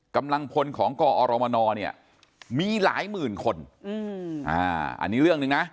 กำลังพลของกอรมนเนี่ยมีหลายหมื่นคนอืมอ่าอันนี้เรื่องหนึ่งนะ